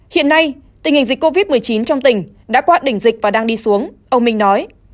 hiện nay tình hình dịch covid một mươi chín trong tỉnh đã qua đỉnh dịch và đang đi xuống ông minh nói